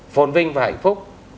phồn vinh và hạnh phúc